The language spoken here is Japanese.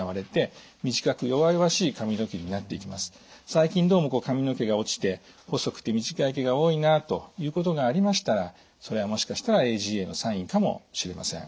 最近どうも髪の毛が落ちて細くて短い毛が多いなということがありましたらそれはもしかしたらＡＧＡのサインかもしれません。